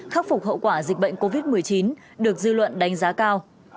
khắc phục hậu quả dịch bệnh covid một mươi chín được dư luận đánh giá cao